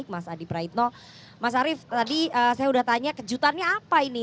mas arief tadi saya sudah tanya kejutannya apa ini